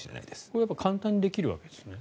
これは簡単にできるわけですよね？